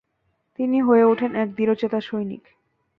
তিনি হয়ে উঠেন এক দৃঢ়চেতা সৈনিক।